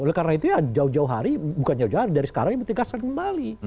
oleh karena itu ya jauh jauh hari bukan jauh jauh hari dari sekarang ibu tegaskan kembali